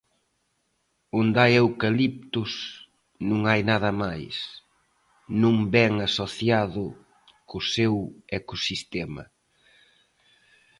Onde hai eucaliptos, non hai nada máis; non vén asociado co seu ecosistema.